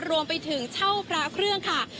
รวมไปถึงเช่าพระเครื่องค่ะ